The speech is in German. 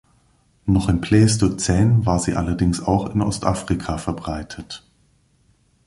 Noch im Pleistozän war sie allerdings auch in Ostafrika verbreitet.